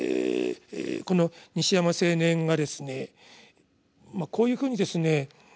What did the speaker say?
この西山青年がですねまあこういうふうにですね